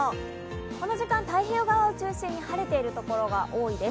この時間、太平洋側を中心に晴れている所が多いです。